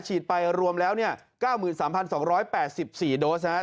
ไปรวมแล้ว๙๓๒๘๔โดสนะครับ